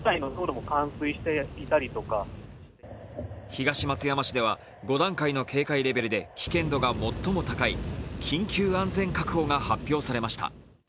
東松山市では５段階の警戒レベルで危険度が最も高い緊急安全確保が発表されました。